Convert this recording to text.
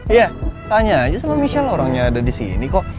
iya tanya aja sama michelle lah orang yang ada disini kok